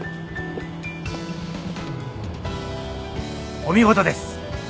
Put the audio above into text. お見事です。